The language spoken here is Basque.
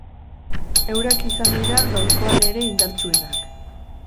Eurak izan dira gaurkoan ere indartsuenak.